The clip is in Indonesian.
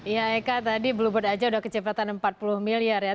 ya eka tadi bluebird aja udah kecepatan empat puluh miliar ya